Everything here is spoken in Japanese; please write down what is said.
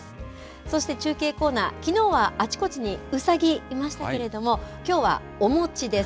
そして中継コーナー、きのうはあちこちにうさぎいましたけれども、きょうはお餅です。